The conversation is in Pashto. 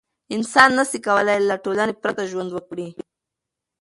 انسان نسي کولای له ټولنې پرته ژوند وکړي.